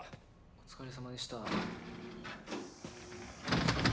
お疲れさまでした。